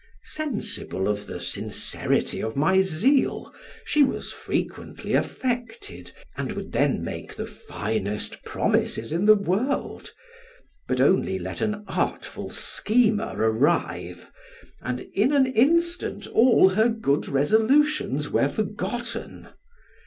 Sensible of the sincerity of my zeal, she was frequently affected, and would then make the finest promises in the world: but only let an artful schemer arrive, and in an instant all her good resolutions were forgotten.